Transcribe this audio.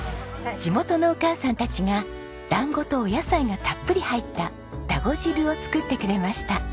地元のお母さんたちが団子とお野菜がたっぷり入っただご汁を作ってくれました。